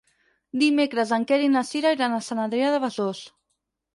Dimecres en Quer i na Sira iran a Sant Adrià de Besòs.